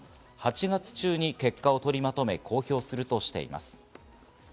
８月中に結果を取りまとめ、公表するとしています。